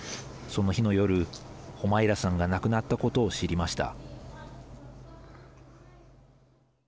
その日の夜ホマイラさんが亡くなったことを知りました。